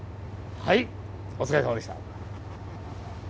はいお疲れさまでした。